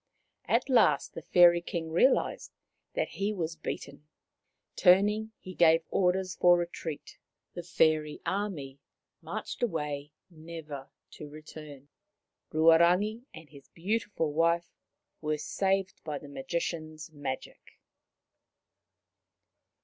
At last the Fairy King realized that he was beaten. Turning, he gave orders for retreat. The fairy army marched away, never to return. Ruarangi and his beautiful wife were saved by the Magician's magic.